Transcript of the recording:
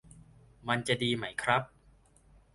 มันจะดีไหมครับ